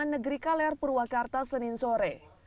negeri kaler purwakarta senin sore